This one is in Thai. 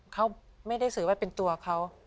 เขาไม่ได้สื่อว่าเป็นตัวเขา